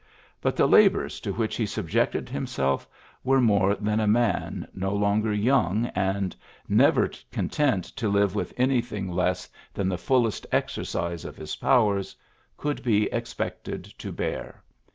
But the labors to which he subjected himself were more than a man, no longer young and never content to live with anything less PHILLIPS BROOKS 107 than the fullest exercise of his powers, could be expected to bear.